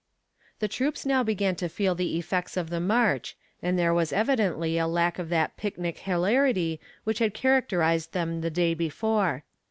The troops now began to feel the effects of the march, and there was evidently a lack of that pic nic hilarity which had characterized them the day before.